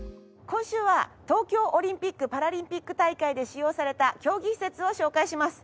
今週は東京オリンピックパラリンピック大会で使用された競技施設を紹介します。